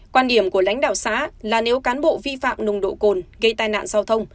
quan điểm của lãnh đạo xã là nếu cán bộ vi phạm nồng độ cồn gây tai nạn giao thông